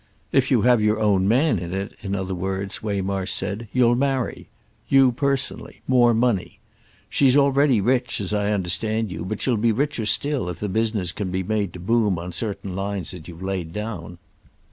"If you have your own man in it, in other words," Waymarsh said, "you'll marry—you personally—more money. She's already rich, as I understand you, but she'll be richer still if the business can be made to boom on certain lines that you've laid down."